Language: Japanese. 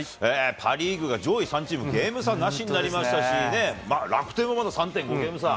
パ・リーグが上位３チーム、ゲーム差なしになりましたし、楽天もまだ３．５ゲーム差。